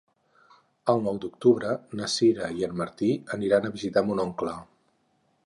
El nou d'octubre na Sira i en Martí aniran a visitar mon oncle.